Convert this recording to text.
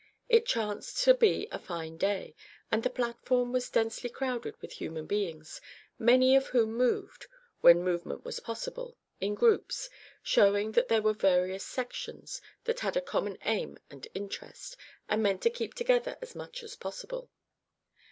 It chanced to be a fine day, and the platform was densely crowded with human beings, many of whom moved, when movement was possible, in groups, showing that there were various sections that had a common aim and interest, and meant to keep together as much as possible.